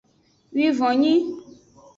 Wivonnyui.